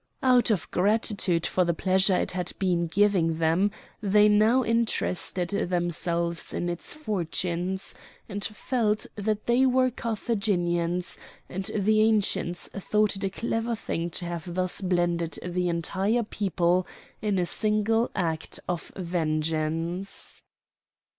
Out of gratitude for the pleasure it had been giving them they now interested themselves in its fortunes, and felt that they were Carthaginians, and the Ancients thought it a clever thing to have thus blended the entire people in a single act of vengeance.